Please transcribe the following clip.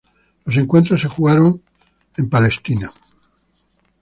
Los encuentros se jugaron en Israel.